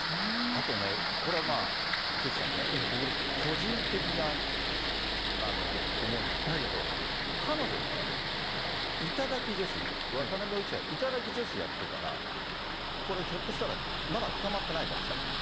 あとね、これはまあ、岸さんね、僕の個人的な思いなんですけど、彼女ね、頂き女子、渡辺容疑者、頂き女子やってたら、これ、ひょっとしたら、まだ捕まってないかもしれない。